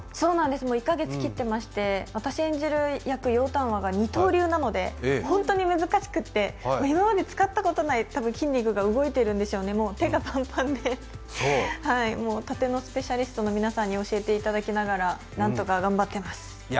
１か月切ってまして、私演じる楊端和が二刀流なので本当に難しくて、今まで使ったことない筋肉が動いているんでしょうね、もう、手がパンパンで、殺陣のスペシャリストの皆さんに教えていただきながらなんとか頑張ってます。